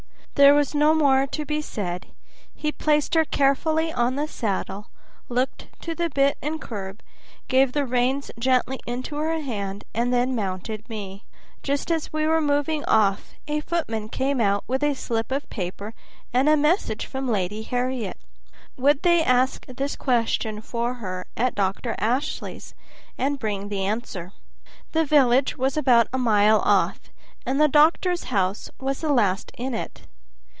There was no more to be said; he placed her carefully on the saddle, looked to the bit and curb, gave the reins gently into her hand, and then mounted me. Just as we were moving off a footman came out with a slip of paper and message from the Lady Harriet. "Would they ask this question for her at Dr. Ashley's, and bring the answer?" The village was about a mile off, and the doctor's house was the last in it.